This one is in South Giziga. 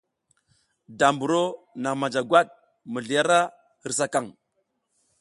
Da mburo naŋ manja gwat mizli ra hirsakaŋ.